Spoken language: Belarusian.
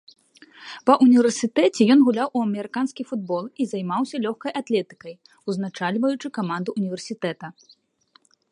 Ва ўніверсітэце ён гуляў у амерыканскі футбол і займаўся лёгкай атлетыкай, узначальваючы каманду ўніверсітэта.